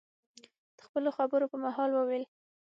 د خپلو خبرو په مهال، وویل: